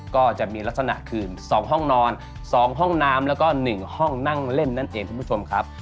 ก็จะมีลักษณะคืน๒ห้องนอน๒ห้องน้ำแล้วก็๑ห้องนั่งเล่นนั่นเองคุณผู้ชมครับ